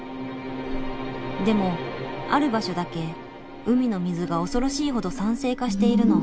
でもある場所だけ海の水が恐ろしいほど酸性化しているの。